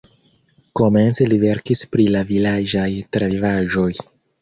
Komence li verkis pri la vilaĝaj travivaĵoj.